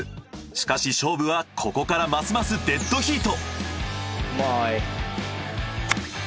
しかし勝負はここからますますデッドヒート。